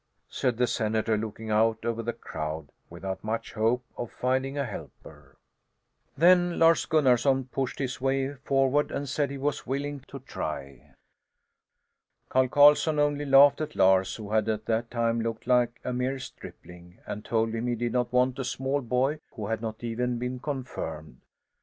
said the senator, looking out over the crowd without much hope of finding a helper. Then Lars Gunnarson pushed his way forward and said he was willing to try. Carl Carslon only laughed at Lars, who at that time looked like a mere stripling, and told him he did not want a small boy who had not even been confirmed.